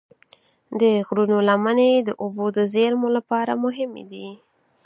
د غرونو لمنې د اوبو د زیرمو لپاره مهمې دي.